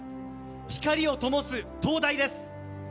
光をともす、灯台です。